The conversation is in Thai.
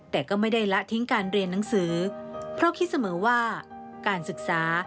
แต่ก็ไม่ได้ละทิ้งการเรียนหนังสือเพราะคิดเสมอว่าการศึกษา